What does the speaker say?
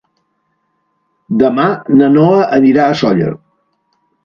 Demà na Noa anirà a Sóller.